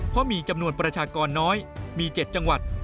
เพราะมีจำนวนประชากรน้อยมี๗จังหวัด